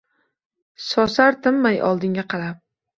Shoshar tinmay oldinga qarab.